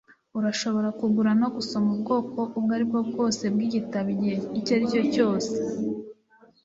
Urashobora kugura no gusoma ubwoko ubwo aribwo bwose bw'igitabo igihe icyo aricyo cyose.